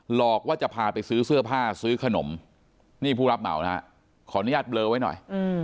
หลอกว่าจะพาไปซื้อเสื้อผ้าซื้อขนมนี่ผู้รับเหมานะฮะขออนุญาตเบลอไว้หน่อย